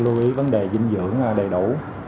lưu ý vấn đề dinh dưỡng đầy đủ